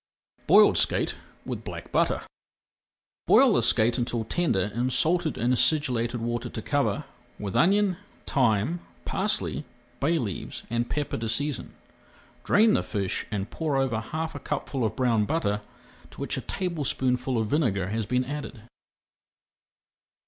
BOILED SKATE WITH BLACK BUTTER Boil the skate until tender in salted and acidulated water to cover, with onion, thyme, parsley, bay leaves, and pepper to season. Drain the fish and pour over half a cupful of browned butter to which a [Page 364] tablespoonful of vinegar has been added.